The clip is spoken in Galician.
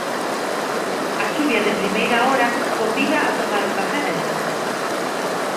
A chuvia de primeira hora convida a tomar o café dentro.